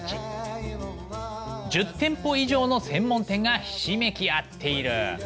１０店舗以上の専門店がひしめき合っている。